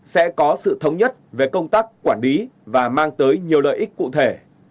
sẽ có sự thống nhất về công tác quản lý và mang tới nhiều lợi ích cụ thể